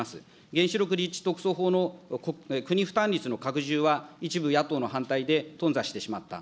原子力立地特措法の国負担率の拡充は、一部、野党の反対で頓挫してしまった。